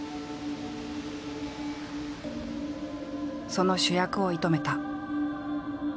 その主役を射止めた。